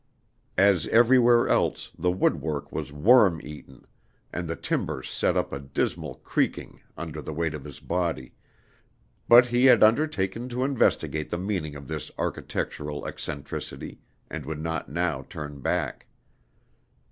As everywhere else, the woodwork was worm eaten, and the timbers set up a dismal creaking under the weight of his body, but he had undertaken to investigate the meaning of this architectural eccentricity, and would not now turn back.